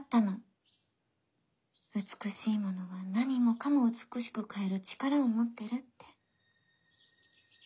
美しいものは何もかも美しく変える力を持ってるって。